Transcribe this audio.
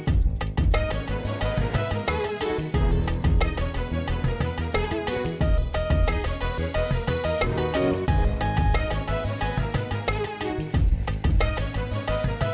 semarang semarang semarang